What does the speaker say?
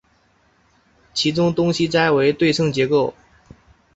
其中东西斋为对称结构。